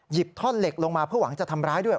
ท่อนเหล็กลงมาเพื่อหวังจะทำร้ายด้วย